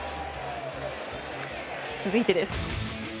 続いてです。